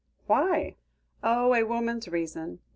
"Why?" "Oh! a woman's reason.